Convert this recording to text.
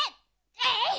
えい！